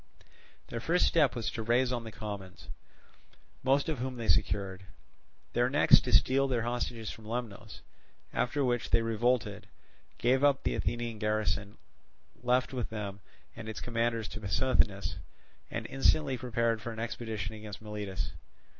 Their first step was to rise on the commons, most of whom they secured; their next to steal their hostages from Lemnos; after which they revolted, gave up the Athenian garrison left with them and its commanders to Pissuthnes, and instantly prepared for an expedition against Miletus.